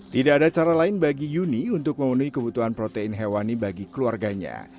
tidak ada cara lain bagi yuni untuk memenuhi kebutuhan protein hewani bagi keluarganya